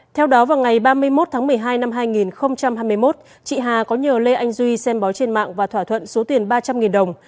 theo đó vào ngày ba mươi một tháng một mươi hai năm hai nghìn hai mươi một chị hà có nhờ lê anh duy xem bó trên mạng và thỏa thuận số tiền ba trăm linh đồng